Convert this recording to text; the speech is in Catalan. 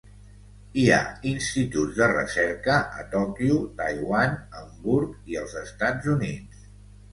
Hi ha instituts de recerca a Tòquio, Taiwan, Hamburg i els Estats Units.